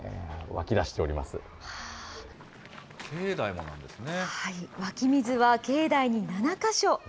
湧き水は境内に７か所。